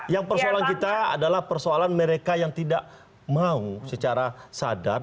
yang persoalan kita adalah persoalan mereka yang tidak mau secara sadar